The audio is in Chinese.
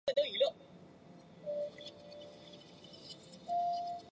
环陨坑四周覆盖着一些来自阿里斯基尔环形山的辐射纹。